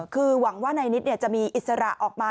คือหวังว่านายนิดจะมีอิสระออกมา